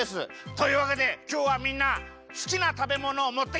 というわけできょうはみんなすきなたべものをもってきましたね？